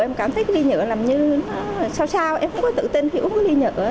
em cảm thấy cái ly nhựa làm như nó sao sao em không có tự tin khi uống cái ly nhựa